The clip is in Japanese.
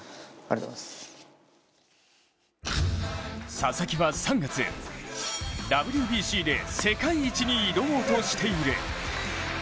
佐々木は３月、ＷＢＣで世界一に挑もうとしている。